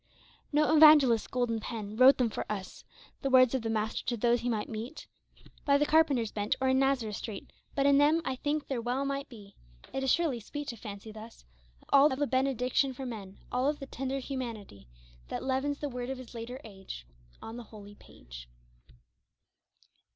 140 No evangelist's golden pen Wrote them for us — The words of the Master to those he might meet By the carpenter's bench or in Nazareth street — But in them I think there well might be — It is surely sweet to fancy thus — All of the benediction for men All of the tender humanity, That leaven the words of his later age On the holy page.